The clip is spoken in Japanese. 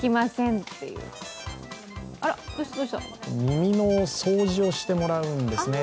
耳の掃除をしてもらうんですね